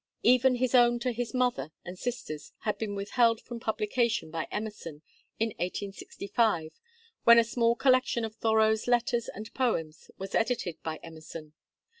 Even his own to his mother and sisters had been withheld from publication by Emerson in 1865, when a small collection of Thoreau's Letters and Poems was edited by Emerson.